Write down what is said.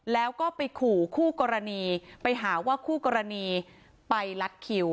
แล้วก็ไปขู่คู่กรณีไปหาว่าคู่กรณีไปลัดคิว